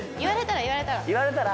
言われたら言われたら。